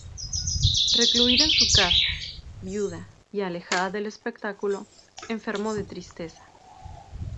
Recluida en su casa, viuda y alejada del espectáculo, enfermó de tristeza.